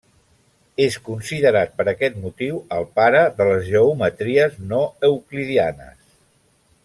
És considerat per aquest motiu el pare de les geometries no euclidianes.